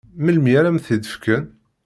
Melmi ara am-t-id-fken?